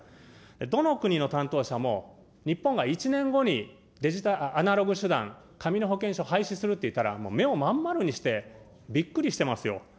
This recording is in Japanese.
どの国の担当者も日本が１年後にアナログ手段、紙の保険証を廃止するって言ったら、もう目をまん丸にしてびっくりしてますよ。